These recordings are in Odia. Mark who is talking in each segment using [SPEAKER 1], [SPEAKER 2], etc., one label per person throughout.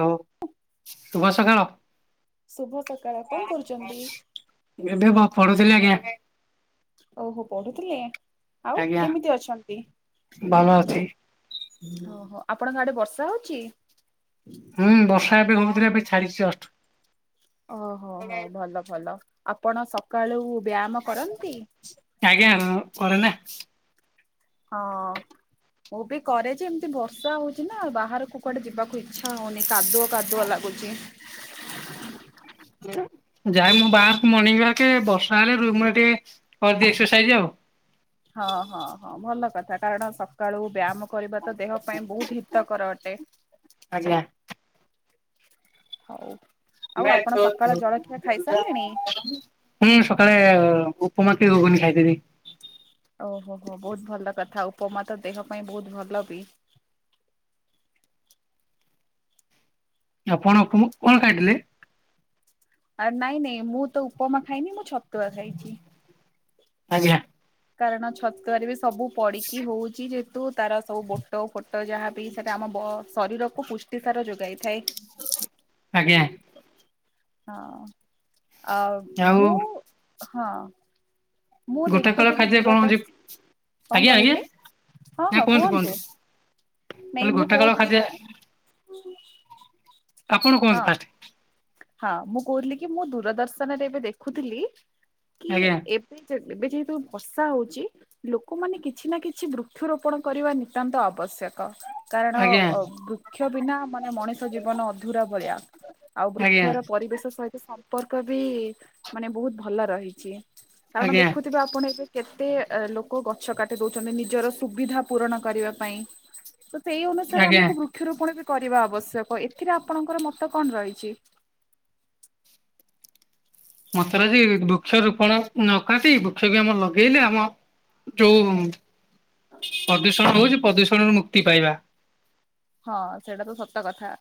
[SPEAKER 1] ହାଲୋ ଶୁଭ ସକାଳ
[SPEAKER 2] ଶୁଭ ସକାଳ କଣ କରୁଛନ୍ତି,
[SPEAKER 1] ଏବେ ବ ପଢୁଥିଲି ଆଜ୍ଞା,
[SPEAKER 2] ଓହୋ ପଢୁଥିଲେ ଆଉ
[SPEAKER 1] ଆଜ୍ଞା
[SPEAKER 2] କେମିତି ଅଛନ୍ତି।
[SPEAKER 1] ଭଲ ଅଛି।
[SPEAKER 2] ଓହୋ ଆପଣଙ୍କ ଆଡେ ବର୍ଷା ହଉଛି,
[SPEAKER 1] ହୁଁ ବର୍ଷା ଏବେ ହଉଥିଲା ଏବେ ଛାଡିଛି ଜଷ୍ଟ
[SPEAKER 2] ଓ ହୋ ହୋ ଭଲ ଭଲ ଆପଣ ସକାଳୁ ବ୍ୟାୟାମ କରନ୍ତି,
[SPEAKER 1] ଆଜ୍ଞା କରେ ନା
[SPEAKER 2] ହ ଅ ମୁଁ ବି କରେ ଯେ ଏମିତି ବର୍ଷା ହଉଚି ନା ବାହାରକୁ କୁଆଡେ ଯିବାକୁ ଇଚ୍ଛା ହଉନି, କାଦୁଅ କାଦୁଅ ଲାଗୁଛି,
[SPEAKER 1] ଯାଏ ମୋ ବାହାରକୁ ମର୍ଣ୍ଣ ୱାର୍କ ବର୍ଷା ହେଲେ ରୁମରେ ଟିକେ କରି ଦିଏ ଏକ୍ସରସାଇଜ ଆଉ
[SPEAKER 2] ହଁ ହଁ ହଁ ଭଲ କଥା କାରଣ ସକାଳୁ ବ୍ୟାୟାମ କରିବା ତ ଦେହ ପାଇଁ ବହୁତ ହିତକର ଅଟେ
[SPEAKER 1] ଆଜ୍ଞା
[SPEAKER 2] ହଉ ଆଉ ଆପଣ ସକାଳ ଜଳଖିଆ ଖାଇସାରିଲେଣି?
[SPEAKER 1] [unintelligible] ହୁଁ ସକାଳେ ଉପମା ଗୁଗୁନି ଖାଇଥିଲି
[SPEAKER 2] ଓ ହୋ ହୋ ବହୁତ ଭଲ କଥା ଉପମା ତ ଦେହ ପାଇଁ ବହୁତ ଭଲ ବି
[SPEAKER 1] ଆପଣ କୁଁ କଣ ଖାଇଥିଲେ
[SPEAKER 2] ଆ ନାଇଁ ନାଇଁ ମୁଁ ତ ଉପମା ଖାଇନି ମୁଁ ଛତୁଆ ଖାଇଛି,
[SPEAKER 1] ଆଜ୍ଞା।
[SPEAKER 2] କାରଣ ଛତୁଆରେ ବି ସବୁ ପଡିକି ହଉଛି ଯେ ତୁ ତାର ସବୁ ବୋଟ ଫୋଟ ଯାହାବି ସେଟା ଆମ ବ ଶରୀରକୁ ପୁଷ୍ଟି ସାର ଯୋଗାଇଥାଏ।
[SPEAKER 1] ଆଜ୍ଞା।
[SPEAKER 2] ହଁ ଆଉ ମୁ ହଁ। ମୁଁ
[SPEAKER 1] ଗୋଟା କାଳ
[SPEAKER 2] ଦେଖୁଥିଲି
[SPEAKER 1] ଖାଦ୍ୟ କଣ ହଉଛି
[SPEAKER 2] ଦୂରଦର୍ଶନ କଣ
[SPEAKER 1] ଆଜ୍ଞା ଆଜ୍ଞା
[SPEAKER 2] କହିଲେ ହଁ ହଁ କୁହନ୍ତୁ।
[SPEAKER 1] କହଲି ଗୋଟା କାଳ ଖାଦଯ [unintelligible]
[SPEAKER 2] ହୁ [inaudible]
[SPEAKER 1] ଆପଣ କୁହନ୍ତୁ ଫାଷ୍ଟ।
[SPEAKER 2] ହଁ ମୁଁ କହୁଥିଲି କି ମୁଁ ଦୂରଦର୍ଶନରେ ଏବେ ଦେଖୁଥିଲି କି
[SPEAKER 1] ଆଜ୍ଞା
[SPEAKER 2] ଏ ସେ ଯେବେ ଏବେ ଯେହେତୁ ବର୍ଷା ହଉଛି ଲୋକମାନେ କିଛି ନା କିଛି ବୃକ୍ଷରୋପଣ କରିବା ନିିତନ୍ତ ଆବଶ୍ୟକ। କାରଣ
[SPEAKER 1] ଆଜ୍ଞା
[SPEAKER 2] ଅ ବୃକ୍ଷ ବିନା ମାନେ ମଣିଷ ଜୀବନ ଅଧୁରା ଭଳିଆ। ଆଉ
[SPEAKER 1] ଆଜ୍ଞା
[SPEAKER 2] ବୃକ୍ଷର ପରିବେଶ ସହିତ ସମ୍ପର୍କ ବି ମାନେ ବହୁତ ଭଲ ରହିଛି। କାରଣ
[SPEAKER 1] ଆଜ୍ଞା।
[SPEAKER 2] ଦେଖୁଥିବେ ଆପଣ ଏବେ। କେତେ ଲୋକ ଗଛ କାଟି ଦଉଛନ୍ତି ନିଜର ସୁବିଧା ପୂରଣ କରିବା ପାଇଁ। ତ ସେଇ ଅନୁସାରେ
[SPEAKER 1] ଆଜ୍ଞା
[SPEAKER 2] ଆମକୁ ବୃକ୍ଷରୋପଣ ବି କରିବା ଆବଶ୍ୟକ ଏଥିରେ ଆପଣଙ୍କର ମତ କଣ ରହିଛି।
[SPEAKER 1] ମତରାଜି ବୃକ୍ଷ ରୋପଣ ନ କାଟି ବୃକ୍ଷ ବି ଆମ ଲଗେଇଲେ ଆମ ଯୋଉ ପ୍ରଦୂଷଣ ହଉଛି ପ୍ରଦୂଷଣରୁ ମୁକ୍ତି ପାଇବା।
[SPEAKER 2] ହଁ ସେଇଟା ତ ସତ କଥା।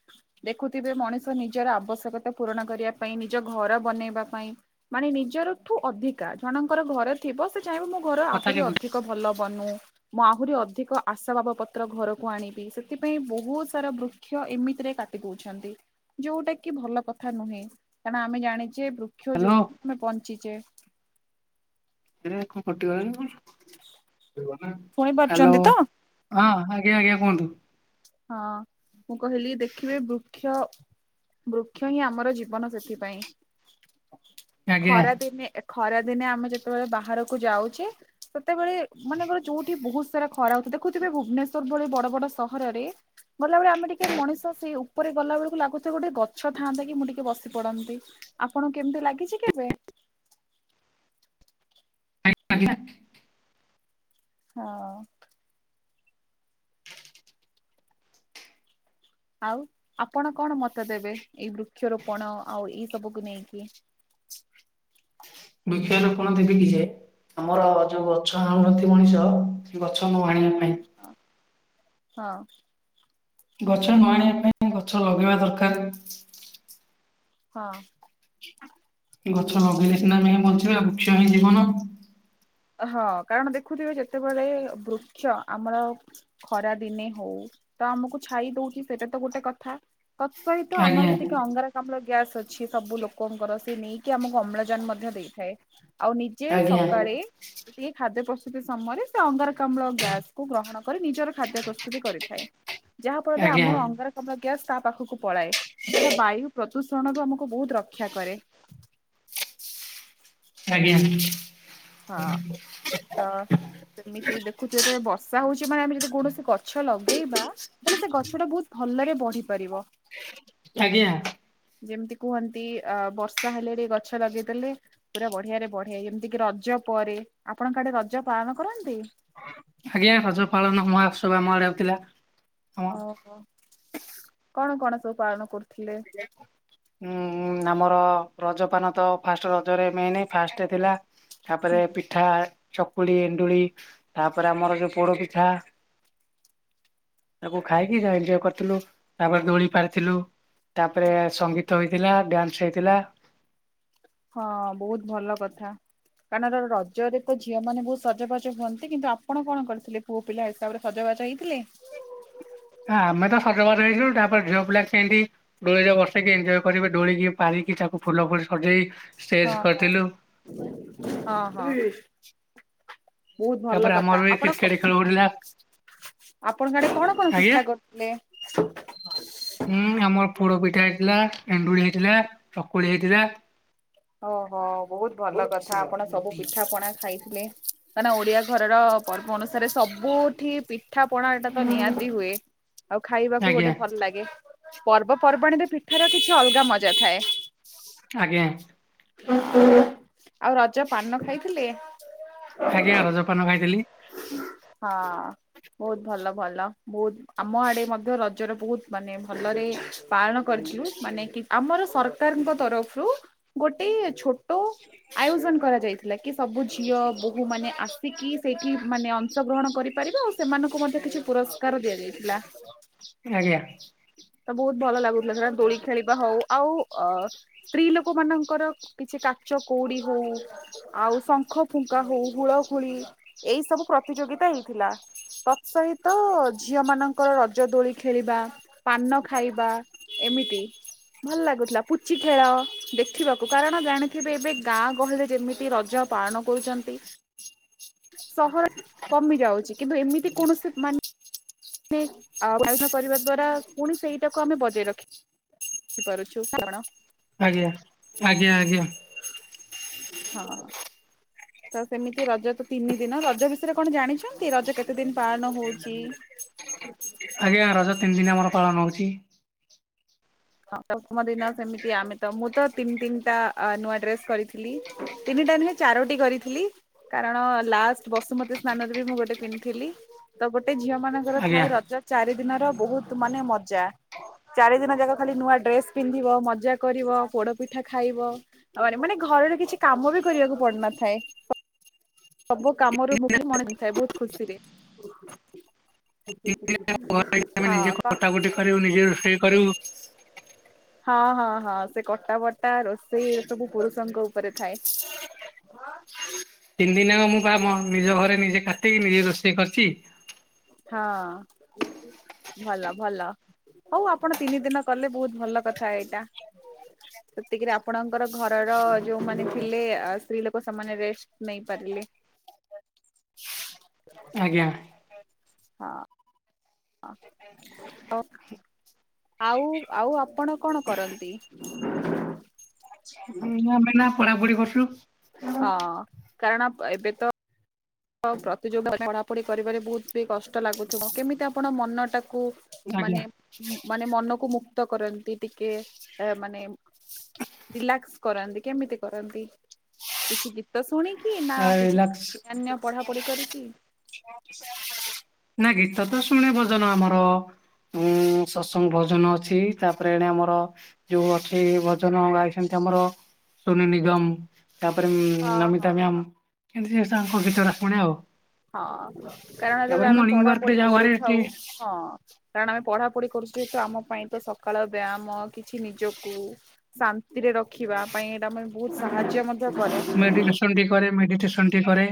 [SPEAKER 2] ଦେଖୁଥିବେ ମଣିଷ ନିଜର ଆବଶ୍ୟକତା ପୂରଣ କରିବା ପାଇଁ ନିଜ ଘର ବନେଇବା ପାଇଁ। ମାନେ ନିଜରଠୁ ଅଧିକା ଜଣଙ୍କର ଘରେ ଥିବ ସେ ଚାହିଁବ ମୋ ଘର
[SPEAKER 1] କଥା
[SPEAKER 2] ଆହୁରି
[SPEAKER 1] କେ
[SPEAKER 2] ଅଧିକ ଭଲ ବନୁ। ମୁଁ ଆହୁରି ଅଧିକ ଆଶାବାବ ପତ୍ର ଘରକୁ ଆଣିବି ସେଥିପାଇଁ ପାଇଁ ବହୁତ ସାରା ବୃକ୍ଷ ଏମିତି ରେ କାଟି ଦଉଛନ୍ତି। ଯୋଉଟା କି ଭଲ କଥା ନୁହେଁ କାରଣ ଆମେ ଜାଣିଛେ ବୃକ୍ଷ
[SPEAKER 1] ହ୍ୟାଲୋ।
[SPEAKER 2] ଯୋଗୁ ଆମେ ବଞ୍ଚିଛେ।
[SPEAKER 1] ଣ ଫଟିଗଲାଣି
[SPEAKER 2] ଶୁଣି
[SPEAKER 1] ହ୍ୟାଲୋ
[SPEAKER 2] ପାରୁଛନ୍ତି ତ?
[SPEAKER 1] [inaudible] ହଁ ଆଜ୍ଞା ଆଜ୍ଞା କୁହନ୍ତୁ।
[SPEAKER 2] ହଁ ମୁଁ କହିଲି ଦେଖିବେ ବୃକ୍ଷ ବୃକ୍ଷ ହିଁ ଆମର ଜୀବନ ସେଥିପାଇଁ।
[SPEAKER 1] ଆଜ୍ଞା।
[SPEAKER 2] ଖରା ଦିନେ ଖରା ଦିନେ ଆମେ ଯେତେବେଳେ ବାହାରକୁ ଯାଉଛେ ସେତେବେଳେ ମାନେଙ୍କୋର ଯୋଉଠି ବହୁତ ସାରା ଖରା ହଉ ଦେଖୁଥିବେ ଭୁବନେଶ୍ୱର ଭଳି ବଡ ବଡ ସହରରେ ଗଲାବେଳେ ଆମେ ଟିକେ ମଣିଷ ସେଇ ଉପରେ ଗଲାବେଳକୁ ଲାଗୁଛି ମତେ ଗୋଟେ ଗଛ ଥାଆନ୍ତା କି ମୁଁ ଟିକେ ବସି ପଡନ୍ତି ଆପଣଙ୍କୁ କେମିତି ଲାଗିଛି କେବେ?
[SPEAKER 1] ଆ [unintelligible]
[SPEAKER 2] ହଁ। ଆଉ ଆପଣ କଣ ମତ ଦେବେ ଏଇ ବୃକ୍ଷରୋପଣ ଆଉ ଏଇ ସବୁକୁୁ ନେଇକି।
[SPEAKER 1] ବୁକ୍ଷ ରୋପଣ ଦେବୀ କି ଯେ ଆମର ଯୋଉ ଗଛ ଆଣୁନାହାନ୍ତି ମଣିଷ ସେ ଗଛ ନ ଆଣିବା ପାଇଁ।
[SPEAKER 2] ହ ହଁ।
[SPEAKER 1] ଗଛ ନ ଆଣିବା ପାଇଁ ଗଛ ଲଗେଇବା ଦରକାର।
[SPEAKER 2] ହଁ।
[SPEAKER 1] ଗଛ ଲଗେଇଲେ ସିନା ଆମେ ହିଁ ବଞ୍ଚିବେଉ ବୃକ୍ଷ ହିଁ ଜୀବନ।
[SPEAKER 2] ହଁ କାରଣ ଦେଖୁଥିବେ ଯେତେବେଳେ ବୃକ୍ଷ ଆମର ଖରା ଦିନେ ହଉ ତ ଆମକୁ ଛାଇ ଦଉଛି ସେଇଟା ତ ଗୋଟେ କଥା। ତତ୍ ସହିତ
[SPEAKER 1] ଆଜ୍ଞା
[SPEAKER 2] ଆମର ଯେତିକି ଅଙ୍ଗାର। ଆମର ଗ୍ୟାସ୍ ଅଛି ସବୁ ଲୋକଙ୍କର ସେ ନେଇକି ଆମକୁ ଅମ୍ଳଜାନ ମଧ୍ୟ ଦେଇଥାଏ। ଆଉ ନିଜେ
[SPEAKER 1] ଆଜ୍ଞା
[SPEAKER 2] ସକାଳେ ଟିକେ ଖାଦ୍ୟ ପ୍ରସ୍ତୁତି ସମୟରେ ସେ ଅଙ୍ଗାରକାମ୍ଳ ଗ୍ୟାସ କୁ ଗ୍ରହଣ। କରି ନିଜର ଖାଦ୍ୟ ପ୍ରସ୍ତୁତି କରିଥାଏ ଯାହା ଫଳରେ
[SPEAKER 1] ଆଜ୍ଞା
[SPEAKER 2] ଆମର ଅଙ୍ଗାର। ଅମ୍ଳ ଗ୍ୟାସ୍ ତା ପାଖକୁ ପଳାଏ ଏଇଟା ବାୟୁ ପ୍ରଦୂଷଣ ରୁ ଆମକୁ ବହୁତ ରକ୍ଷା କରେ।
[SPEAKER 1] ଆଜ୍ଞା।
[SPEAKER 2] ହଁ ତ। ସେମିତି ଦେଖୁଛୁ ଯେତେବେଳେ ବର୍ଷା ହଉଛି ମାନେ ଆମେ ଯଦି କୌଣସି ଗଛ ଲଗେଇବା। ତାହେଲେ ସେ ଗଛ ଟା ବହୁତ ଭଲରେ ବଢି ପାରିବ।
[SPEAKER 1] ଆଜ୍ଞା।
[SPEAKER 2] ଯେମିତି କୁହନ୍ତି ଅ ବର୍ଷା ହେଲେରେ ଗଛ ଲଗେଇଦେଲେ। ପୁରା ବଢିଆରେ ବଢେ ଯେମିତି କିି ରଜ ପରେ ଆପଣଙ୍କ ଆଡ଼େ ରଜ ପାଳନ କରନ୍ତି?
[SPEAKER 1] ଆଜ୍ଞା ରଜ ପାଳନ ମହାଉତ୍ସଭ ଆମ ଆଡ଼େ ହଉଥିଲା। ଆମ
[SPEAKER 2] ଓହୋ କଣ କଣ ସବୁ ପାଳନ କରୁଥିଲେ?
[SPEAKER 1] ଉଁ ଉଁ ଆମର ରଜ ପାନ ତ ଫାଷ୍ଟ ରଜରେ ମେନ ଫାଷ୍ଟରେ ଥିଲା। ତାପରେ ପିଠା ଚକୁଳି ଏଣ୍ଡୁଳି ତାପରେ ଆମର ଯୋଉ ପୋଡ ପିଠା। ତାକୁ ଖାଇକି ଏଞ୍ଜୟ୍ କରିଥିଲୁ ତାପରେ ଦୋଳି ପାରିଥିଲୁ। ତାପରେ ସଙ୍ଗୀତ ହେଇଥିଲା ଡ୍ୟାନ୍ସବି ହେଇଥିଲା।
[SPEAKER 2] ହଁ ବହୁତ ଭଲ କଥା। କାରଣ ରଜରେ ତ ଝିଅ ମାନେ ବହୁତ ସଜବାଜ ହୁଅନ୍ତି କିନ୍ତୁ ଆପଣ କଣ କରିଥିଲେ। ପୁଅ ପିଲା ହିସାବରେ ସଜବାଜ ହେଇଥିଲେ?
[SPEAKER 1] ଆମେ ତ ସଜବାଜ ହେଇଥିଲୁ ତାପରେ ଝିଅ ପିଲା ସେମତି। ଦୋଳିରେ ବସିକି ଏଞ୍ଜୟ କରିବେ ଦୋଳିକି ପାରିକି ତାକୁ ଫୁଲ ଫୁଲ ସଜେଇ। ଷ୍ଟେଜ
[SPEAKER 2] ହଁ ହଁ
[SPEAKER 1] କରିଥିଲୁ
[SPEAKER 2] ହଁ ହଁ। ବହୁତ ଭଲ
[SPEAKER 1] ତାପରେ
[SPEAKER 2] କଥା
[SPEAKER 1] ଆମର ବି
[SPEAKER 2] ଆପଣ
[SPEAKER 1] କ୍ରିକେଟ ଖେଳ ହଉଥିଲା
[SPEAKER 2] ଆପଣ ସାଡେ କଣ କଣ ପିଠା
[SPEAKER 1] ଆଜ୍ଞା
[SPEAKER 2] କରୁ।
[SPEAKER 1] ହୁଁ ଆମର ପୋଡ ପିଠା ହେଇଥିଲା, ଏଣ୍ଡୁଳି ହେଇଥିଲା, ଚକୁଳି ହେଇଥିଲା।
[SPEAKER 2] ଓହୋ ବହୁତ ଭଲ କଥା ଆପଣ ସବୁ ପିଠା ପଣା ଖାଇଥିଲେ। କାଇଁ ନା ଓଡିଆ ଘରର ପର୍ବ ଅନୁସାରେ ସବୁଠି ପିଠା ପଣା ଏଟା ତ ନିହାତି ହୁଏ। ଆଉ ଖାଇବାକୁ ଗୋଟେ
[SPEAKER 1] ଆଜ୍ଞା
[SPEAKER 2] ଭଲ ଲାଗେ ପର୍ବପର୍ବାଣୀରେ ପିଠାର କିଛି ଅଲଗା ମଜା ଥାଏ।
[SPEAKER 1] ଆଜ୍ଞା।
[SPEAKER 2] ଆଉ ରଜ ପାନ ଖାଇଥିଲେ?
[SPEAKER 1] ଆଜ୍ଞା
[SPEAKER 2] ହଁ
[SPEAKER 1] ରଜପାନ ଖାଇଥିଲି
[SPEAKER 2] ବହୁତ ଭଲ ଭଲ ବହୁତ ଆମ ଆଡେ ମଧ୍ୟ ରଜର ବହୁତ ମାନେ ଭଲରେ ପାଳନ କରିଥିଲୁ ମାନେ କି ଆମର ସରକାରଙ୍କ ତରଫରୁ ଗୋଟେ ଛୋଟ ଆୟୋଜନ କରାଯାଇଥିଲା କି ସବୁ ଝିଅ ବୋହୂମାନେ ଆସିକି ସେଇଠି ମାନେ ଅଂଶଗ୍ରହଣ କରିପାରିବେ ଆଉ ସେମାନଙ୍କୁ ମଧ୍ୟ କିଛି ପୁରସ୍ କାର ଦିଆ ଯାଇଥିଲା।
[SPEAKER 1] ଆଜ୍ଞା।
[SPEAKER 2] ତ ବହୁତ ଭଲ ଲାଗୁଥିଲା କ ଦୋଳି ଖେଳିବା ହଉ ଆଉ ଅ ସ୍ତ୍ରୀ ଲୋକ ମାନଙ୍କ ଙ୍କର କିଛି କାଚ କଉଡି ହଉ ଆଉ ଶଙ୍ଖ ଫୁଙ୍କା ହଉ ହୁଳହୁଳି ଏଇ ସବୁ ପ୍ରତିଯୋଗିତା ହେଇଥିଲା। ତତ୍ ସହିତ ଝିଅ ମାନଙ୍କର ରଜ ଦୋଳି ଖେଳିବା। ପାନ ଖାଇବା ଏମିତି ଭଲ ଲାଗୁଥିଲା ପୁଚି ଖେଳ ଦେଖିବାକୁ କାରଣ ଜାଣିଥିବେ ଏବେ ଗାଁ ଗହଳିରେ ଯେମିତି ରଜ ପାଳନ କରୁଛନ୍ତି। ସହର କମି ଯାଉଛି କିନ୍ତୁ ଏମିତି କୌଣସି ମାନେ ମାନେ ଆୟୋଜ କରିବା ଦ୍ଵାରା ପୁଣି ସେଇଟାକୁ ଆମେ ବଜେଇ ରଖି ପାରୁଛୁ କାରଣ
[SPEAKER 1] ଆଜ୍ଞା ଆଜ୍ଞା ଆଜ୍ଞା।
[SPEAKER 2] ହଁ। ତ ସେମିତି ରଜ ତ ତିନି ଦିନ ରଜ ବିଷୟରେ କଣ ଜାଣିଛନ୍ତି ରଜ କେତେ ଦିନ ପାଳନ ହଉଛି।
[SPEAKER 1] ଆଜ୍ଞା ରଜ ତିନି ଦିନ ଆମର ପାଳନ ହଉଛି।
[SPEAKER 2] ହଁ ପ୍ରଥମ ଦିନ ସେମିତି ଆମେ ତ ମୁଁ ତ ତିନି ତିନିଟା ନୂଆ ଡ୍ରେସ କରିଥିଲି। ତିନିଟା ନୁହେଁ ଚାରଟି କରିଥିଲି। କାରଣ ଲାଷ୍ଟ ବସୁମତୀ ସ୍ନାନରେ ବି ମୁଁ ଗୋଟେ ପିନ୍ଧିଥିଲି। ତ ଗୋଟେ ଝିଅ ମାନଙ୍କର
[SPEAKER 1] ଆଜ୍ଞା
[SPEAKER 2] ଥାଇ ରଜ ଚାରି ଦିନର ବହୁତ ମାନେ ମଜା ଚାରି ଦିନ ଯାକ ଖାଲି ନୂଆ ଡ୍ରେସ ପିନ୍ଧିବ ମଜା କରିବ ପୋଡପିଠା ଖାଇବ। ଆଉ ମାନେ ଘରର କିଛି କାମ ବି କରିବାକୁ ପଡନଥାଏ। ସବୁ କାମରୁ ମୁ ମଣି ଦେଇଥାଏ ବହୁତ ଖୁସିରେ। ହଁ ପା।
[SPEAKER 1] କରିବୁନି ନିଜେ ରୋଷେଇ କରିବୁ
[SPEAKER 2] ହଁ ହଁ ହଁ ସେ କଟା ବଟା ରୋଷେଇ ସବୁ ପୁରୁଷଙ୍କ ଉପରେ ଥାଏ।
[SPEAKER 1] ତିନି ଦିନ ଯାକ ମୁଁ ଆମ ନିଜ ଘରେ ନିଜେ କାଟିକି ନିଜେ ରୋଷେଇ କରିଛି।
[SPEAKER 2] ହଁ। ଭଲ ଭଲ ହଉ ଆପଣ ତିନି ଦିନ କଲେ ବହୁତ ଭଲ କଥା ଏଇଟା। ସେତିକିରେ ଆପଣଙ୍କର ଘରର ଯୋଉମାନେ ଥିଲେ ସ୍ତ୍ରୀ ଲୋକ ସେମାନେ ରେଷ୍ଟ ନେଇପାରିଲେ।
[SPEAKER 1] ଆଜ୍ଞା।
[SPEAKER 2] ହଁ। ହଁ ତ ଆଉ ଆଉ ଆପଣ କଣ କରନ୍ତି?
[SPEAKER 1] ଅମେ ଏଇନା ପଢାପଢି କରୁଛୁ।
[SPEAKER 2] ହଁ କାରଣ ଏବେ ତ ପ୍ରତିଯୋଗି ପଢାପଢି କରିବାରେ ବହୁତ ବି କଷ୍ଟ ଲାଗୁଥିବ କେମିତି ଆପଣ ମନ ଟାକୁ
[SPEAKER 1] ଆଜ୍ଞା
[SPEAKER 2] ମାନେ ମାନେ ମନକୁ ମୁକ୍ତ କରନ୍ତି ଟିକେ ମାନେ ରିଲାକ୍ସ କରାନ୍ତି କେମିତି କରନ୍ତି କିଛି ଗୀତ ଶୁଣିକି କି ନା କିଛି
[SPEAKER 1] ରିଲାକ୍ସ
[SPEAKER 2] ଅନ୍ୟନ ପଢାପଢି କରିକି
[SPEAKER 1] ନା ଗୀତ ତ ଶୁଣେ ଭଜନ ଆମର ଉଁ ସତ୍ସଙ୍ଗ ଭୋଜନ ଅଛି ତାପରେ ଏଣେ ଆମର। ଯୋଉ ଅଛି ଭଜନ ଗାଇଛନ୍ତି ଆମର ସୋନି ନିଗମ। ତାପରେ ଉଁ
[SPEAKER 2] ହଁ ହଁ।
[SPEAKER 1] ନମିତା ମ୍ୟାମ କେମତି ତାଙ୍କ ଗୀତରେ ପୁଣି ଆଉ।
[SPEAKER 2] ହଁ କାରଣ ଯେତେବେଳେ
[SPEAKER 1] ତାପରେ
[SPEAKER 2] ଆମେ
[SPEAKER 1] ମର୍ଣ୍ଣିଂ ୱାର୍କ ରେ
[SPEAKER 2] ପଢାପଢି
[SPEAKER 1] ଯାଉ ଭାରି ଏଠି
[SPEAKER 2] କରୁଥାଉ ହଁ। କାରଣ ଆମେ ପଢା ପଢି କରୁଛୁ ଯେତ ଆମ ପାଇଁ ତ ସକାଳ ବ୍ୟାୟାମ କିଛି ନିଜକୁ। ଶାନ୍ତିରେ ରଖିବା ପାଇଁ ଏଇଟା ମ ବହୁତୁ ସାହାଯ୍ୟ ମଧ୍ୟ କରେ।
[SPEAKER 1] ଦୀପହରେ ମେଡିଟେସନ ଟି କରେ।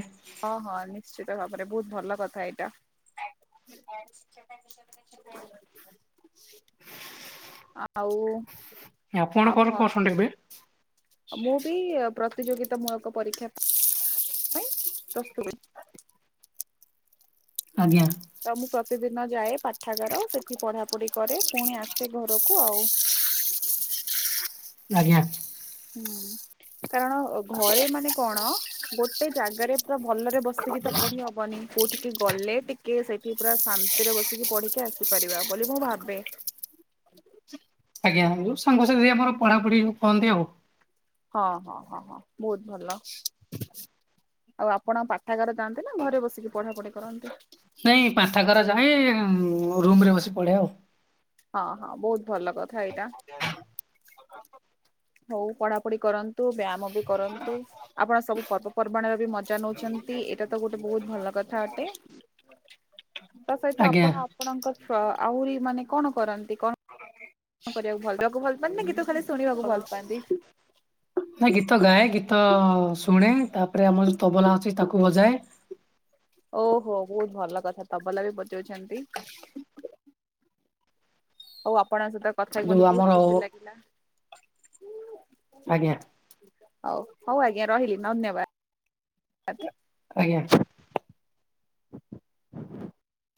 [SPEAKER 2] ହଁ ହଁ ନିଶ୍ଚିତ ଭାବରେ ବହୁତୁ ଭଲ କଥା ଏଇଟା।
[SPEAKER 1] [unintelligible] [unintelligible]
[SPEAKER 2] ଆ ଆଉ।
[SPEAKER 1] ଆପଣ କଣ କରସନ୍ତି ଏବେ?
[SPEAKER 2] ମୁଁ ବି ପ୍ରତିଯୋଗିତା ମୂଳକ ପରୀକ୍ଷା ପାଇଁ ପ୍ରସ୍ତୁହୁଏ।
[SPEAKER 1] ଆଜ୍ଞା।
[SPEAKER 2] ତ ମୁଁ ପ୍ରତିଦିନ ଯାଏ ପାଠାଗାର ସେଠି ପଢାପଢି କରେ ପୁଣି ଆସେ ଘରକୁ ଆଉ।
[SPEAKER 1] ଆଜ୍ଞା।
[SPEAKER 2] ହୁଁ କାରଣ ଘରେ ମାନେ କଣ। ଗୋଟେ ଜାଗାରେ ପୁରା ଭଲରେ ବସିକି ତ ପଢି ହବନି କୋଉଠିକି ଗଲେ ଟିକେ ସେଠି ପୁରା ଶା ନ୍ତି ରେ ବସିକି ପଢିକି ଆସିପାରିବା ବୋଲି ମୁଁ ଭାବେ।
[SPEAKER 1] ଆଜ୍ଞା ଯୋଉ ସାଙ୍ଗସାଥି ଆମର ପଢାପଢି କରନ୍ତି ଆଉ।
[SPEAKER 2] ହଁ ହଁ ହଁ ହଁ ବହୁତୁ ଭଲ। ଆଉ ଆପଣ ପାଠାଗାର ଯାଆନ୍ତି ନା ଘରେ ବସିକି ପଢାପଢି କରନ୍ତି?
[SPEAKER 1] ନାଇଁ ପାଠାଗାର ଯାଏଁ ରୁମ ରେ ବସି ପଢେ ଆଉ।
[SPEAKER 2] ହଁ ହଁ ବହୁତୁ ଭଲ କଥା ଏଇଟା। ହଉ ପଢାପଢି କରନ୍ତୁ ବ୍ୟାୟାମ ବି କରନ୍ତୁ। ଆପଣ ସବୁ ପର୍ବପର୍ବାଣିର ବି ମଜା ନଉଛନ୍ତି ଏଇଟା ତ ଗୋଟେ ବହୁତ ଭଲ କଥା ଅଟେ। ତା ସହିତ
[SPEAKER 1] ଆଜ୍ଞା।
[SPEAKER 2] ଆପଣ ଆପଣଙ୍କ ଫ୍ର ଆହୁରି ମାନେ କଣ କରନ୍ତି କଣ? କଣ କରିବାକୁ ଭଲ ପାଆନ୍ତି [unintelligible] ନା ଗୀତ ଖାଲି ଶୁଣିବାକୁ ଭଲ ପାଆନ୍ତି।
[SPEAKER 1] ନା ଗୀତ ଗାଏ ଗୀତ ଶୁଣେ ତାପରେ ଆମର ଯୋଉ ତବଲା ଅଛି ତାକୁ ବଜାଏ।
[SPEAKER 2] ଓହୋ ବହୁତ ଭଲ କଥା ତବଲା ବି ବଜାଉଛନ୍ତି। ଆଉ ଆପଣଙ୍କ ସହିତ କଥାହେଇକି ମତେ
[SPEAKER 1] ଯୋଉ
[SPEAKER 2] ବହୁତ
[SPEAKER 1] ଆମର
[SPEAKER 2] ଖୁସି ଲାଗିଲା।
[SPEAKER 1] ଆଜ୍ଞା।
[SPEAKER 2] ଆଉ ହଉ ଆଜ୍ଞା ରହିଲି ଧନ୍ୟବାଦ।
[SPEAKER 1] ଆଜ୍ଞା।